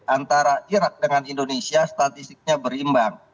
antara irak dengan indonesia statistiknya berimbang